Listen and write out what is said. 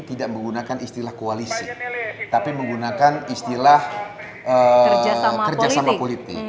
tidak menggunakan istilah koalisi tapi menggunakan istilah kerjasama politik